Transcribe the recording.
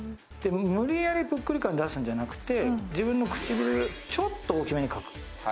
無理やり、ぷっくり感、出すんじゃなくて、自分の唇、ちょっと大きめに描く。